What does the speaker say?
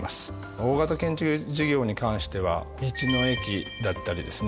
大型建築事業に関しては道の駅だったりですね